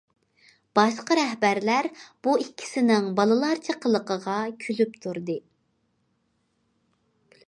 باشقا رەھبەرلەر بۇ ئىككىسىنىڭ بالىلارچە قىلىقىغا كۈلۈپ تۇردى.